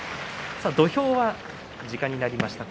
土俵は時間になりました。